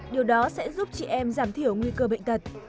điều đó sẽ giúp chị em giảm thiểu nguy cơ bệnh tật